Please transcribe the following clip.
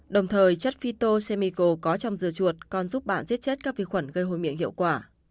đồng thời chất phyto semigo có trong dưa chuột còn giúp bạn giết chết các vi khuẩn gây hồi miệng hiệu quả